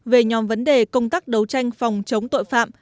về nhóm vấn đề công tác đấu tranh phòng chống tội phạm